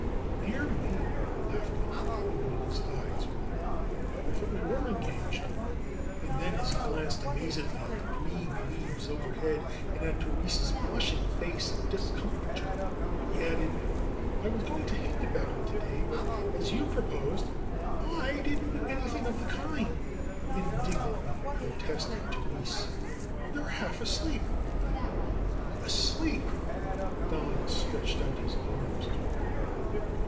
"Dear me !" laughed Don, opening his eyes wide. "I thought we were engaged." And then as he glanced amazedly at the green leaves overhead and at Therese's blushing face of discomfiture 20 THE ROSE COLORED WORLD he added: "I was going to hint about the day, but as you proposed 'T didn^t do anything of the kind indignantly pro tested Therese. 'Wou are half asleep." "Asleep !" Don stretched out his arms toward her.